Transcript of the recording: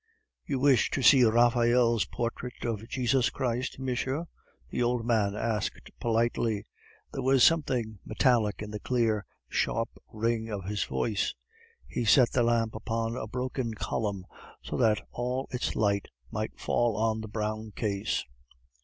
"You wish to see Raphael's portrait of Jesus Christ, monsieur?" the old man asked politely. There was something metallic in the clear, sharp ring of his voice. He set the lamp upon a broken column, so that all its light might fall on the brown case.